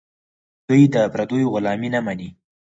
دوی د پردیو غلامي نه مني.